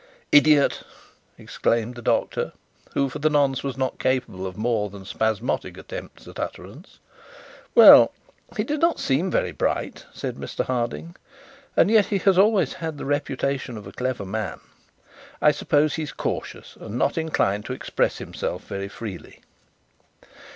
'Idiot!' exclaimed the doctor, who for the nonce was not capable of more than spasmodic attempts at utterance. 'Well, he did not seem very bright,' said Mr Harding, 'and yet he has always had the reputation of a clever man. I suppose he's cautious and not inclined to express himself very freely.'